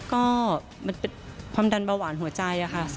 ก็มันเป็นความดันเบาหวานหัวใจค่ะ